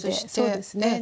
そうですね。